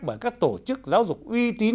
bởi các tổ chức giáo dục uy tín